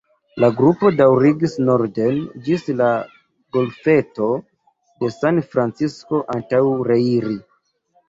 La grupo daŭrigis norden ĝis la golfeto de San Francisco antaŭ reiri.